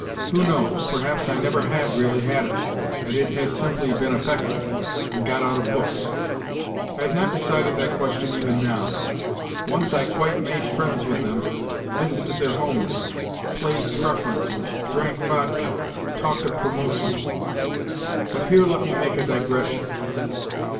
Who knows, perhaps I never had really had it, and it had simply been affected, and got out of books. I have not decided that question even now. Once I quite made friends with them, visited their homes, played preference, drank vodka, talked of promotions. ... But here let me make a digression.